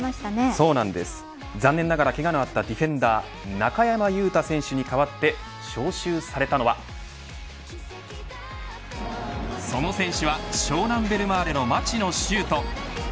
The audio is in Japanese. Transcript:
そうなんです、残念ながらけがのあったディフェンダーは中山雄太選手に代わって招集されたのはその選手は湘南ベルマーレの町野修斗。